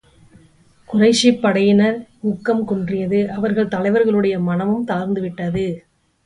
குறைஷிப் படையினரின் ஊக்கம் குன்றியது அவர்கள் தலைவர்களுடைய மனமும் தளர்ந்து விட்டது.